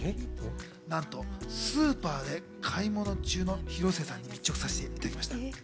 なんとスーパーで買い物中の広末さんに密着させていただきました。